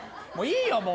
もういいよ